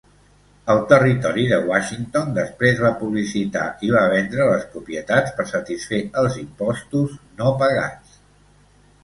El territori de Washington després va publicitar i va vendre les propietats per satisfer els impostos no pagats.